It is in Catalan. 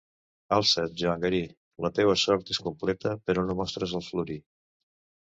Alça't, Joan Garí: la teua sort és completa; però no mostres el florí!